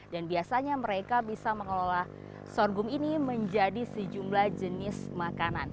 dan biasanya mereka bisa mengelola sorghum ini menjadi sejumlah jenis makanan